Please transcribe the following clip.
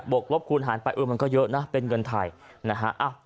กลบคูณหารไปเออมันก็เยอะนะเป็นเงินไทยนะฮะ